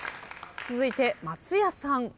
続いて松也さん。